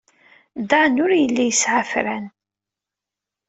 Dan ur yelli yesɛa afran.